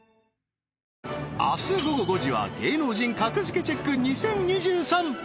明日午後５時は『芸能人格付けチェック ！２０２３』